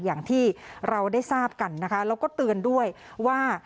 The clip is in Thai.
อย่างที่เราได้ทราบกันนะคะแล้วก็เตือนด้วยว่า